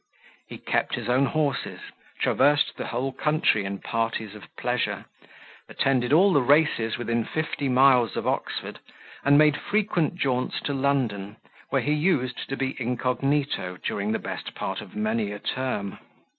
He kept his own horses, traversed the whole country in parties of pleasure, attended all the races within fifty miles of Oxford, and made frequent jaunts to London, where he used to be incognito during the best part of many a term.